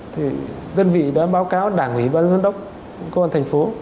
thì đơn vị đã báo cáo đảng ủy ban giám đốc công an thành phố